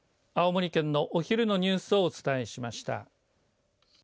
青森県のお昼のニュースをお伝えしました。